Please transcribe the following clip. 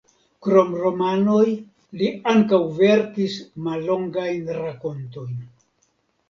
Krom romanoj li ankaŭ verkis mallongajn rakontojn.